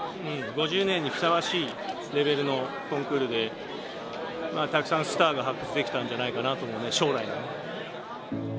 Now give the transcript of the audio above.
５０年にふさわしいレベルのコンクールでまあたくさんスターが発掘できたんじゃないかなと思う将来のね